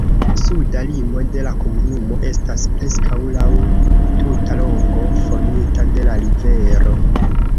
Suda limo de la komunumo estas preskaŭ laŭ tuta longo formita de la rivero.